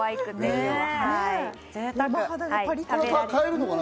買えるのかな？